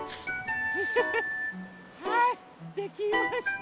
ハハハはいできました。